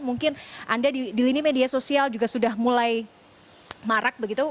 mungkin anda di lini media sosial juga sudah mulai marak begitu